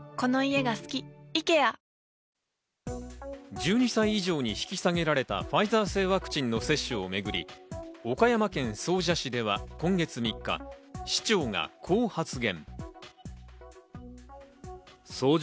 １２歳以上に引き下げられたファイザー製ワクチンの接種をめぐり、岡山県総社市では今月３日、市長がこう発言。